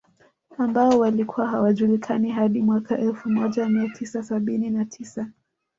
Ambao walikuwa hawajulikani hadi mwaka Elfu moja mia tisa sabini na tisa